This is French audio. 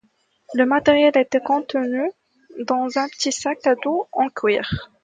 Le matériel était contenu dans un petit sac à dos en cuir.